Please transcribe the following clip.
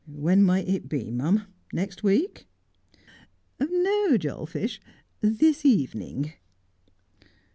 ' When might it be, mum ? Next week 1 ' N o, Jolfish, this evening.'